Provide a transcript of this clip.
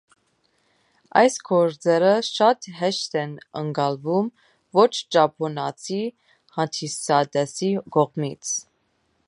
Այս գործերը շատ հեշտ են ընկալվում ոչ ճապոնացի հանդիսատեսի կողմից։